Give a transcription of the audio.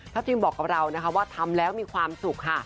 พิมบอกกับเรานะคะว่าทำแล้วมีความสุขค่ะ